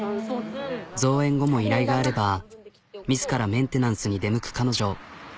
造園後も依頼があれば自らメンテナンスに出向く彼女。